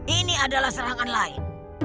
ini adalah serangan lain